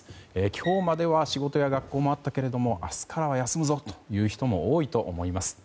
今日までは仕事や学校もあったけれども明日からは休むぞという人も多いと思います。